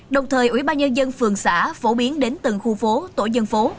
đồng thời ủy ban nhân dân phường xã phổ biến đến từng khu phố tổ dân phố